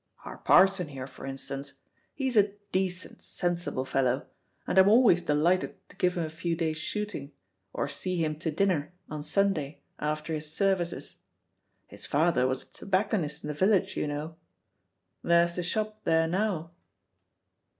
Our parson here, for instance, he's a decent sensible fellow, and I'm always delighted to give him a few days' shooting, or see him to dinner on Sunday after his services. His father was a tobacconist in the village, you know. There's the shop there now."